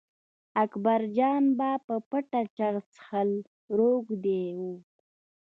اکبرجان به په پټه چرس څښل روږدي و.